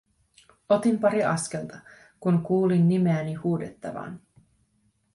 Otin pari askelta, kun kuulin nimeäni huudettavan.